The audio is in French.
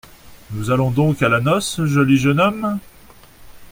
Nous allons donc à la noce, joli jeune homme ?…